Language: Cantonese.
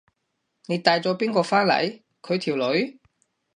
你帶咗邊個返嚟？佢條女？